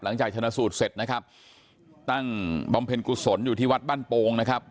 ชนะสูตรเสร็จนะครับตั้งบำเพ็ญกุศลอยู่ที่วัดบ้านโป่งนะครับ